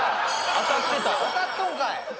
当たってた当たっとんかい！